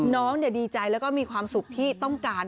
น้องเนี่ยดีใจแล้วก็มีความสุขที่ต้องการ